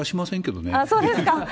そうですか。